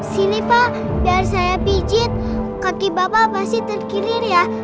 sini pak biar saya pijit kaki bapak pasti terkilir ya